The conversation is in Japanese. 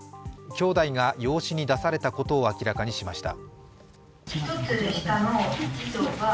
きょうだいが養子に出されたことを明らかにしました。